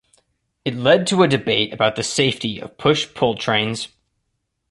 It led to a debate about the safety of push-pull trains.